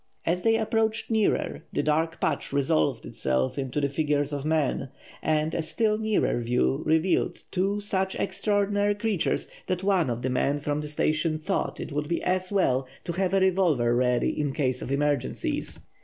As they approached nearer, the dark patch resolved itself into the figures of men, and a still nearer view revealed two such extraordinary creatures that one of the men from the station thought it would be as well to have a revolver ready in case of emergencies.